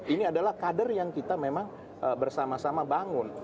ini adalah kader yang kita memang bersama sama bangun